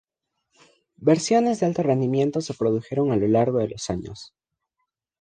Versiones de alto rendimiento se produjeron a lo largo de los años.